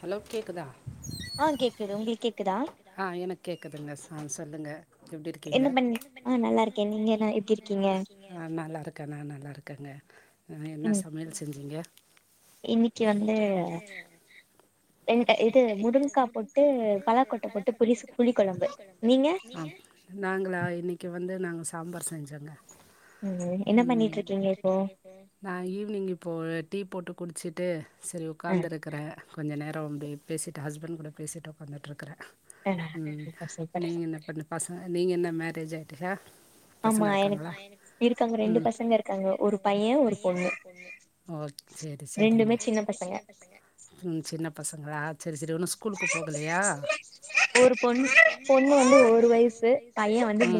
Hello கேக்குதா ஆ கேக்குது ஒங்ளுக் கேக்குதா தொல்லுங்க என்ன பண் ஆஹ நல்லார்க்கே நீங்க அ எப்டி இர்க் நா நல்லாருக்கே நா நல்லாருக்கங்க அஹ் என்ன சமையல் செஞ்சிங்க இன்னிக்கி வந்து வெண்ட இது முருங்கா போட்டு பலா கொட்ட போட்டு புலிஸ் புளி கொழம்பு நீங்க நாங்களா இன்னிக்கி வந்து நாங் சாம்பார் செஞ்சேங்க உம் என்ன பண்ணிட்டிருக்கீங்க இப்போ நா ஈவினிங் இப்போ டீ போட்டு குடிச்சிட்டு செரி உக்காந்துருக்குறே கொஞ்ச நேரொ அப்டியே பேசிட்டு ஹஸ்பண்ட் கூட பேசிட்டு உக்காந்துட்டிருக் க்ற உம் நீங்க என்ன பண் பசங்க நீங்க என்ன மேர் ரிஜெக்ட்டடா ஆமா ஓ சரி சரிங்க சின்ன பசங்களா சரி சரி உன்னு ஸ்கூலுக்கு போகலயா அ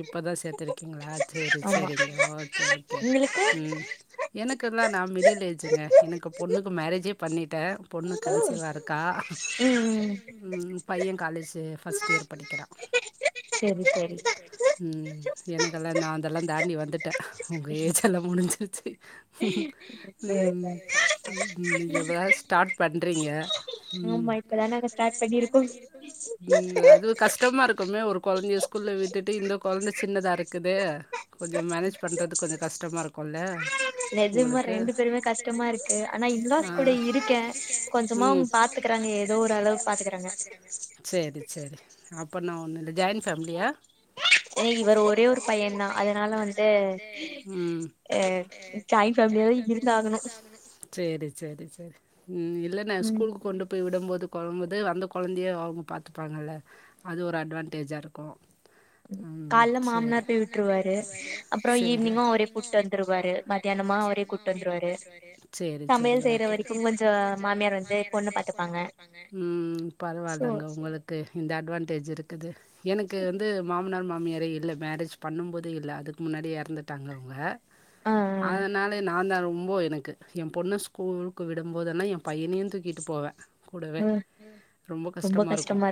இப்பதா சேத்திருக்கீங்களா சரி சரிங்க ஓகே ஓகே ம் எனக்குலா நா மிடில் ஏஜுங்க எனக் பொண்ணுக்கு மேரேஜே பண்ணிட் ட பொண்ணு கன்சிவா இருக்கா ம் பைய காலேஜ் ஃபஸ்ட் இயர் படிக்கிறா ம் எனக்கெல்லா நா அதெல்லா தாண்டி வந்து ஒங்க ஏஜலா முடிஞ்சிருச்சு ம் நீங்க இப்பதா ஸ்டார்ட் பண்றீங்க ம் அதுவு கஷ்டமா இருக்குமே ஒரு கொழந்தைய ஸ்கூல்ல விட்டுட்டு இந்த கொழந்த சின்னதா இருக் குது கொஞ்சொ மேனேஜ் பண்றது கொஞ்சொ கஷ்டமா இருக் குல்ல உங்களுக்கு ஆஹ் உம் சரி சரி அப்போனா உன்னது ஜாயின் ஃபேமிலியா இவர் ஒரே ஒரு பையந்தா அதனால வந்து அஹ் ஜாயின் ஃபேமிலியாதா இருந்தாகணு சரி சரி உம் இல்ல நா ஸ்கூலுக்கு கொண்டு போய் விடம்போது து கொழம்புது அந்த குழந்தைய அவங்க பாத்துப்பாங்கல்ல அது ஒரு அட்வான்டேஜா இருக்கு அஹ் சரி சரி சரி சரி ஓகே உம் பரவால்லங்க உங்களுக்கு இந்த அட்வான்ட் இருக்குது எனக்கு வந்து ம மாமனார் மாமியாரே இல்ல மேரேஜ் பண்ணும்போதே இல்ல அதுக்கு முன்னாடி எறந்துட்டாங்க அவங்க அதனால நா தா ரொம்ப ரொம்ப எனக்கு என் பொண்ணை ஸ்கூலுக்கு விடும் போதெல்லாம் என் பையனையும் தூக்கிட்டு போவே கூடவே ரொம்ப கஷ்டமா இருக்கும்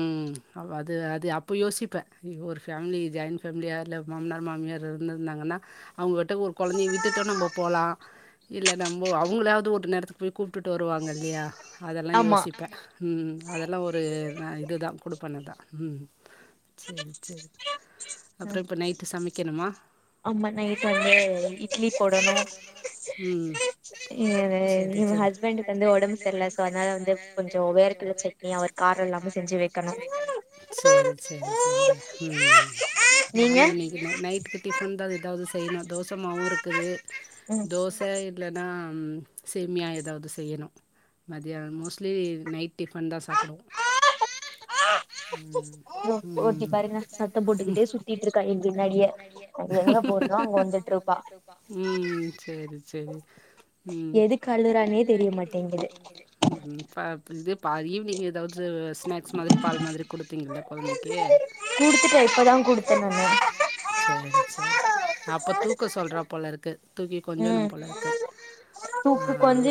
உஹம் அது அது அப்ப யோசிப்பேன் ஒரு ஃபேமிலி ஜாயின் ஃபேமிலியா இல்ல மாமனார் மாமியார் இருந்திருந்தாங்கன்னா அவங்ககிட்ட ஒரு குழந்தையை விட்டுட்டும் நம்ம போலாம் இல்ல நம்ப அவங்களாவது ஒரு நேரத்துக்கு கூப்பிட்டுட்டு வருவாங்க இல்லையா அதெல்லாம் யோசிப்பே அதெல்லாம் ஒரு இதுதா கொடுப்பனதா உம் சரி சரி அப்புறோ இப்ப நைட்டு சமைக்கணுமா ஆம்மா நைட்டு வந்து இட்லி போடணு எ ஹஸ்பண்டுக்கு வந்து ஒடம்பு சரியல சோ அதனால வந்து கொஞ்சோ வேர்க்கடல சட்னி அவர் காரோ இல்லாம சேரி சேரி சேரிங்க ம் நானு இன்னைக்கு நைட்டுக்கு டிஃபன் தாதா எதாவது செய்யணு தோச மாவு இருக்குது தோச இல்லன்னா அம் சேமியா எதாவது செய்யணு மதியான மோஸ்ட்லி நைட் டிஃபன்தா சாப்பிடுவோம் ம் ம் சேரி சேரி ம் ம் பாத் பா ஈவினிங் எதாவது ஸ்நாக்ஸ் மாதிரி பால் மாதிரி குடுக்குறீங்களா குழந்தைக்கு சேரி சேரி அப்ப தூக்க சொல்றா போலருக்கு தூக்கி கொஞ்சனும் போல இருக்கு ஆ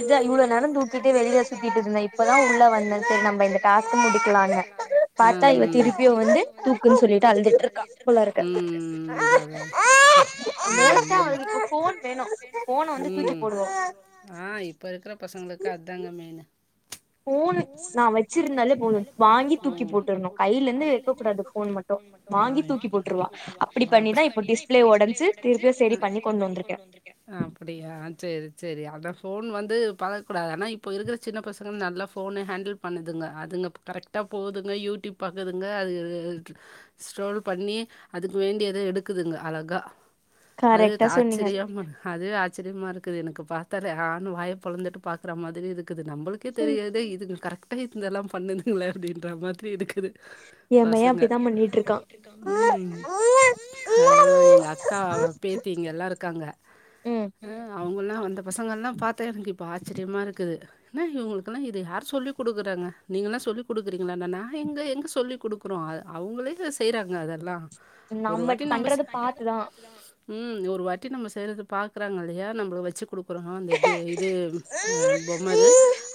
டாஸ்க்கு முடிக்கலானு பாத்தா இவ திருப்பியு வந்து தூக்குனு சொல்லிட்டு அழுதுட்டு இருக்கா போலருக்கு லேட்டாகுது ஃபோன் உம் ஆஹ் இப்ப இருக்குற பசங்களுக்கு அதாங்க மெயின்னு ஃபோனு நா வை அ அ அப்டியா சேரி சேரி அதா ஃபோ ஃபோன் வந்து பழக்கூடாது ஆனா இப்போ இருக்குற சின்ன பசங்க நல்லா ஃபோனு ஹேண்டில் பண்ணுதுங்க அதுங்க கரெக்டா போதுங்க யூடியூப் பாக்குதுங்க அது ஸ்ட்ரோல் பண்ணி அதுக்கு வேண்டியத எடுக்குதுங்க அழகா அது ஆச்சரியமா அதுவே ஆச்சரியமா இருக்குது எனக்கு பா ஆன்னு வாய புழந்துட்டு பாக்குற மாதிரி இருக்கு அது நம்மளுக்கே தெரியாது இதுங்க கரெக்ட் இதெல்லா பண்ணுதுங்களே அப்டின்ற மாதிரி இருக்கு பசங்க உம் அதா எங்க அக்கா பேத்திங்கல்லா இருக்காங்க அவுங்கல்லா அந்த பசங்கள்லா பாத்தா எனக்கு இப்ப ஆச்சரியமா இருக்குது என்ன இவுங்களுக்குல்லா இது யார் சொல்லி குடுக்குறாங்க நீங்களா சொல்லி குடுக்குறீங்களான்னா நா எங்க எங்க சொல்லி் குடுக்குறோ அவங்களே செய்றாங்க அதெல்லா ஒரு வாட்டி நம்ம செய் ம் ஒரு வாட்டி நம்ம செய்றது பாக்குறாங்க இல்லையா நம்மள வச்சு குடுக்க அப்புறோ அந்த கே இது அ பொம்மைது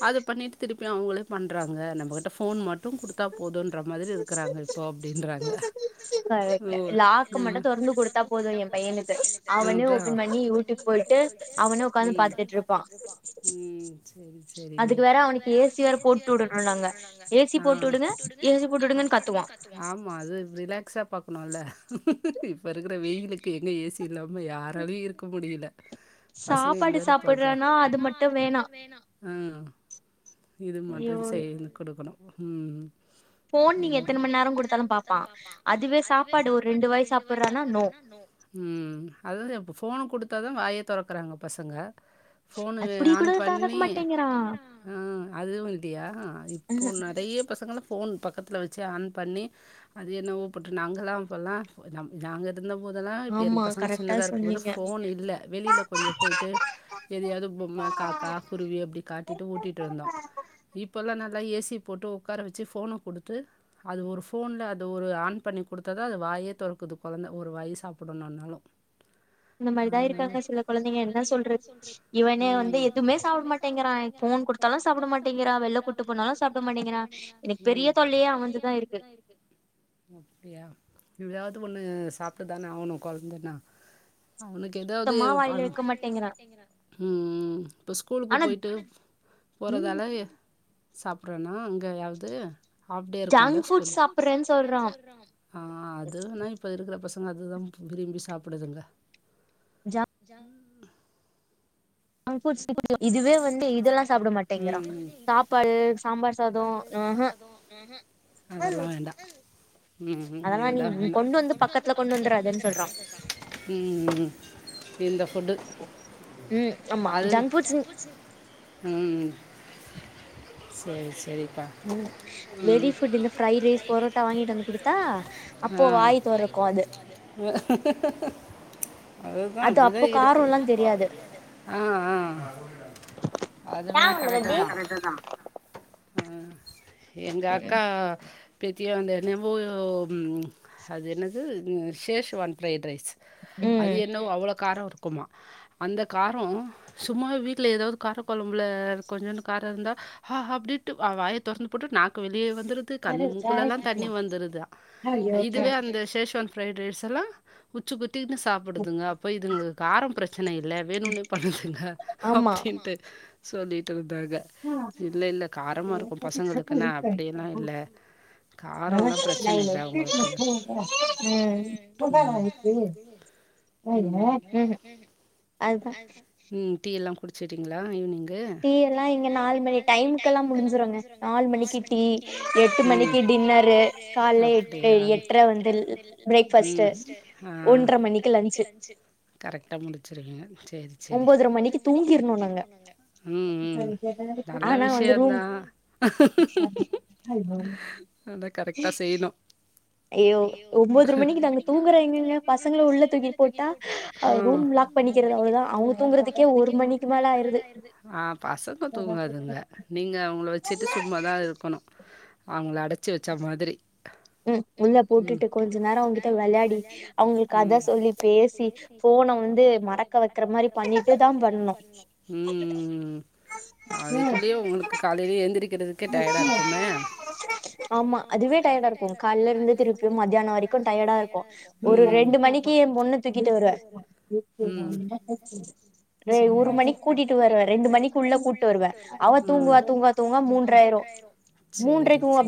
அது பண்ணிட்டு இப்பலா அவங்களே பண்றாங்க நம்ம கிட்ட ஃபோன் மட்டும் குடுத்தா போதுன்ற மாதிரி இருக்குறாங்க இப்போ அப்டின்றாங்க ஓ ம்ம் அதா ம் ம் சேரி சேரி அதுக்கு வேற அவனுக்கு ஏசி ஆ ஆமா அது ரிலாக்சா பாக்கணுல இப்ப இருக்ற வெயிலுக்கு எங்க ஏசி இல்லாம யாராலயு இருக்க முடியல பசங்க எங்கருப்பாங்க ஆ இது மட்டு செய்து கொடுங் கொடுகனு ம் ம் அதாது அப்ப போன குடுத் குடுத்தா தா வாயே தொறக்குறாங்க பசங்க போனு ஆன் பண்ணி ஆ அதுவு [unintelligible] இப்போ நெறய பசங்க ஃபோன் பக்கத் பக்கத்துல வச்சி ஆன் பண்ணி அது என்னவோ போட்டு நாங்கல்லா இப்பெல்லா நாங்க இருந்தபோதெல்லா இப்ப எங்க பசங்க சின்னதா இருக்கும் போது ஃபோன் இல்லை வெளில கொஞ்சோ போயி்ட்டு எதயாது பொம்ம காக்கா குருவி அப்டி காட்டீட்டு ஊட்டீட்டு இருந்தோ இப்பெல்லா நா நல்லா ஏசி போட்டு ஒக்கார வச்சி ஃபோன குடுத்து அது ஒரு ஃபோன்ல அது ஒரு ஆன் பண்ணி குடுத்தா தா அது வாயே தொறக்குது கொழந்த ஒரு வாய் சாப்டணுனாலு இந்த மாரிதா இருக்காங்க சில கொழந்தைங்க என்ன சொல்றது இவனே வந்து எதுவுமே சாப்ட மாட்டேங்கிறா போன் குடுத்தாலு ம் அப்டியா ம் ஏதாது ஒண்ணு சாப்ட்டுதான ஆவணு கொழந்தன்னா உனக்கு ஏதாவது ம்ம் இப்ப ஸ்கூலுக்கு போயிட்டு போறதாலயே சாப்டுறானா ஏதாவது ஆஃப் டே இருக்குல்ல ஸ்கூல் ஆ அது வேணா இப்ப இருக்கிற பசங் பசங்க அதுதா விரும்பி சாப்டுதுங்க ம் ம் அதெல்லா வேண்டா ம் ம் இதுதா வேணா ம் ம் இந்த ஃபுட் அது ம் சேரி சேரி ம் வெளி ஃபுட் இந்த ஃப்ரைடு ரைஸ் பொரோட்டா வாங்கிட்டு வந்து குடுத்தா அப்போ வாய் தொறக்கு அது அதுதா அப்டிதா இருக்கு ஆ ஆ அதுவேணா கரெக்ட் தா ஆ எங்க அக்கா பேத்திய அந்த என்னவோ அது என்னது ஷேஷ்வான் ஃப்ரைட் ரைஸ் அது என்னவோ அவ்ளோ காரோ இருக்குமா அந்த கார் ம் சும்மாவே வீட்டுல ஏதாவது கார கொழம்புல கொஞ்சூண்டு கார இருந்தா ஆ ஆ அப்டின்டு வாய தோறந்து போட்டு நாக்கு வெளியே வ வந்துறுது கண்ணு மூக்குலல்லா தண்ணி வந்துருது இதுவே அந்த சேஷவன் ஃப்ரைட் ரைஸ்ல உச்சு கு டினு சாப்பிடுதுங்க அப்போ இதுங்களுக்கு காரம் பிரச்சனை இல்ல வேணும்னு பண்ணுதுங்க அப்டின்ட்டு சொல்லிட்டு இரு தாங்க இல்ல இல்ல காரமா இருக்கு பசங்களுக்குன்னா அப்டிலா இல்ல காரம்லா பிரச்சனை இல்ல அவங்களுக்கு உம் உம் ம் டீலாம் குடிச்சட்டீங்களா ஈவினிங் டீ எல்லா இங்க நாலு மணி டைம்குலாம் முடிஞ்சுடுங்க நாலு மணிக்கு டீ அஞ்சு மணிக்கு டின்னரு காலேல ஏட்ற வந்து பிரேக்ஃபாஸ்ட் ஒன்ற மணிக்கு லஞ்ச் செரி ம் ம் நல்ல விஷியந்தா ஆனா கரெக்டா செய்யணு ஐயோ ஒன்பதரை மணிக்கு நாங்க தூங்கற எங்கங்க பசங்களை உள்ள தூக்கி போட்டா ஆ ரூம் லாக் பண்ணிக்கிறது அவ்வளவுதா அவங்க ஆஹ் பசங்க தூங்காதுங்க நீங்க அவங்கள வச்சுட்டு சும்மாதா இருக்கணு அவங்கள அடைச்சி வச்சா மாதிரி உம் உள்ள போட்டுட்டு கொஞ்ச நேரோ அவங்ககிட்ட விளையாடி அவங்களுக்கு கதை சொல்லி பேசி ஃபோனை வந்து மறக்க வைக்கிற மாரி உம் அதுக்குள்ளயே உங்களுக்கு காலையில எ ஆமா அதுவே டயர்டா இருக்கு காலல இருந்து திருப்பி மத்தியான வரைக்கு டயர்டா இருக்கு ஒரு ரெண்டு மணிக்கு என் பொண்ண தூக்கிட்டு வருவே [unintelligible] ஒரு மணிக்கு கூட்டிட்டு வருவே ரெண்டு மணிக்கு உள்ள கூட்டிட்டு வருவே அவ தூங்குவா தூங்குவா தூங்கா மூண் செரி செரி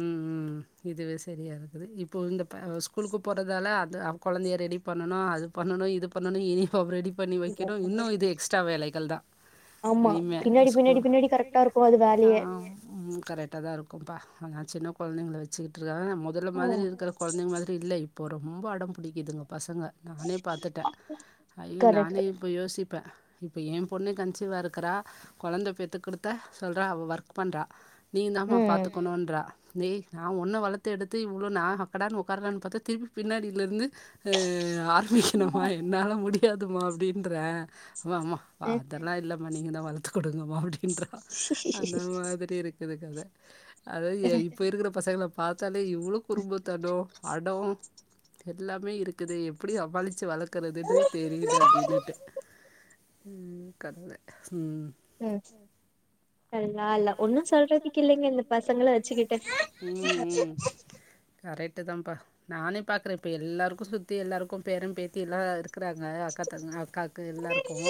ம் ம் இதுவே சரியாயி அது இப்போ இந்த ப ஸ்கூலுக்கு போகறதால அது கொழந்தையை ரெடி பண்ணணு அது பண்ணணு இது பண்ணணு யூனிஃபார்ம் ரெடி பண்ணி வைக்கணும் இன்னும் இது எக்ஸ்ட்ரா வேலைகள் தான் இனிமே ஸ்கூல் ஆ கரெக்டா தான் இருக்கும்ப்பா ஆனா சின்ன கொழந்தைங்களை வச்சுக்கிட்டு அதாவது மொதல்ல மாரி இருக்கற கொழந்தைங்க மாரி இல்ல இப்ப ப்ப ரொம்ப அடம் புடிக்குதுங்க பசங்க நானே பாத்துட்டேன் ஐயோ நானே இப்போ யோசிப் ப்ப இப்ப என் பொண்ணே கன்சீவா இருக்குறா கொழந்தை பெத்துக்குடுத்தா சொல்றா அவ ஒர்க் பண்றா நீயு தாம்மா பாத்துக்கணுன்றா டேய் நா ஒன்ன வளத்து எடுத்து இவ்ளோ நா அக்கடானு ஒக்காருலானு பாத்தா திருப்பி பின்னாடியில இருந்து அ ஆர்மிஷன் அம்மா என்னால முடி பியாதுமா அப்டின்ற வா அம்மா அதெல்லா இல்ல மா. நீங்க தா வறுத்து குடுங்கமா அப்டி இந்தர்லா அந்த மாதிரி இருக் விவேக் அண்ண அதாது இப்ப இருக்குற பசங்களா பாத்தாலே இவ்ளோ குரும்புதனம் அடோம் எல்லாமே இருக்குது எப்புடி சமாளிச்சி வளக்கறதுனு தெரியிலன்ட்டு ம் கடவுளே ம் ம் ம் ம் கரைட் டு தான்பா நானே பாக்குறன் எல்லாருக்கும் சுத்தி எல்லாருக்கும் பேரன் பேத்தி எல்லாருக் க்கறாங்க அக்காத்தங்க அக்காக்கு எல்லாருக்கும்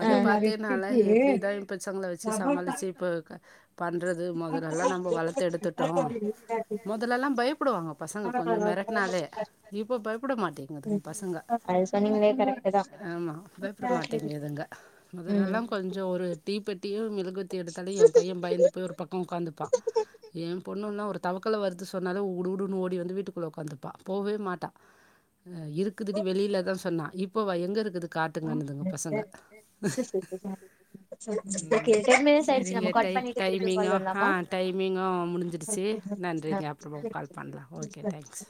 அத பாத்தேனால எப்டிதா இப் பச்சங்கள வச்சி சம்மாளி ருக்கா பண்றது முதலல்லா நம்ப வளர்த்து எடுத்துட்டோ முதலெல்லா பயப்படுவாங்க பசங்க கொஞ்சோ மெரட்னாலே இப்போ பயப்பட மாட்டேங்குதுங்க பசங்க ஆமா பயப்பட மாட்டேங்குதுங்க முதலல்லா கொஞ்சோ ஒரு டீ பெட் டியோமீ தி எடுத்தாலே எ பைய பயந்து போய் ஒரு பக்கோ ஒக்காந்துப்பா ஏ பொண்ணு ஒண்ணு ஒரு தவக்கல வருது சொன்னாலே குடுகுடுன்னு ஓடி வந்து வீட்டுக்குள்ள ஒக்காந்துப்பா போவே மாட்டா இருக்குதுடி வெளிள தா சொன்னா இப்பவா எங்க இருக்குது காட்டுங்கனுதுங்க பசங்க ம் செரிங்க டை டைமிங்க ஆ டைமிங்கு முடிஞ்சிடுச்சி நன்றிங்க அப்பறமா கால் பண்லா ஓகே தேங்ஸ்